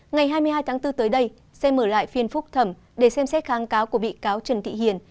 ngày hai mươi hai tháng bốn tới đây sẽ mở lại phiên phúc thẩm để xem xét kháng cáo của bị cáo trần thị hiền